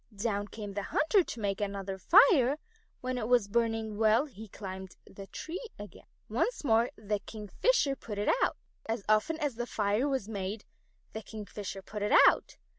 Down came the hunter to make another fire. When it was burning well he climbed the tree again. Once more the Kingfisher put it out. As often as a fire was made, the Kingfisher put it out.